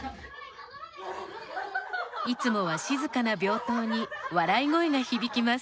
いつもは静かな病棟に笑い声が響きます。